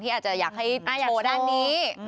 อาจจะอยากให้โมด้านนี้